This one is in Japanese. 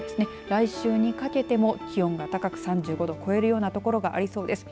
来週にかけても気温が高く３５度を超えるような所もありそうです。